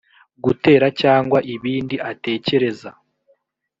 gutera cyangwa ibindi atekereza